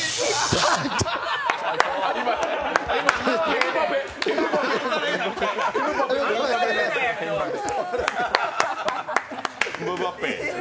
エムバペ！